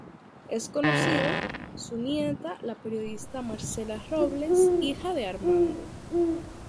Es conocida, su nieta la periodista Marcela Robles, hija de Armando.